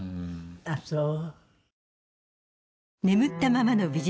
ああそう。